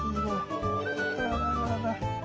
あららららら。